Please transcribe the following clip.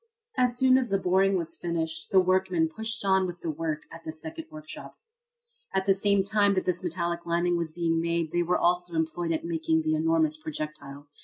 As soon as the boring was finished the workmen pushed on with the work at the second workshop. At the same time that this metallic lining was being made they were also employed at making the enormous projectile.